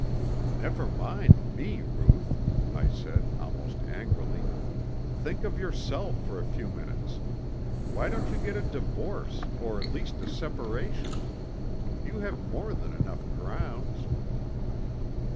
"Never mind me, Ruth!" I said almost angrily. "Think of yourself for a few minutes. Why don't you get a divorce or at least a separation? You have more than enough grounds."